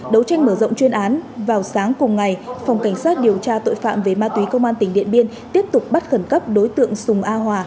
đấu tranh mở rộng chuyên án vào sáng cùng ngày phòng cảnh sát điều tra tội phạm về ma túy công an tỉnh điện biên tiếp tục bắt khẩn cấp đối tượng sùng a hòa